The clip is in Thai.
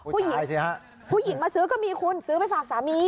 สิฮะผู้หญิงมาซื้อก็มีคุณซื้อไปฝากสามี